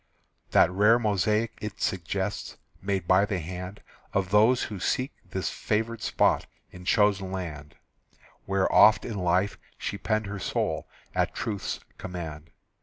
That rare mosaic it suggests Made by the hand Of those who seek this favored spot In chosen land, Where, oft in life, she penned her soul At Truth's command.